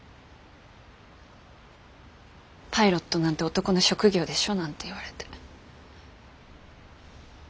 パイロットなんて男の職業でしょなんて言われて。